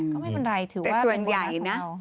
ก็ไม่เป็นไรถือว่าเป็นโอกาสของเรา